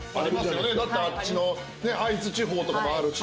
だってあっちの会津地方とかもあるし。